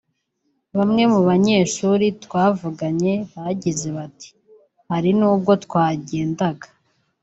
Bamwe mu banyeshuri twavuganye bagize bati “hari nubwo twagendaga